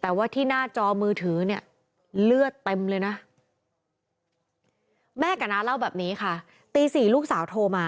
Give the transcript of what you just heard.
แต่ว่าที่หน้าจอมือถือเนี่ยเลือดเต็มเลยนะแม่กับน้าเล่าแบบนี้ค่ะตี๔ลูกสาวโทรมา